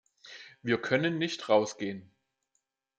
Wir können nicht rausgehen.